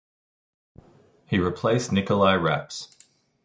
He replaced Nikolai Raps.